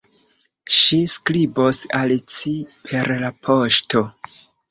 Ŝi skribos al ci per la poŝto.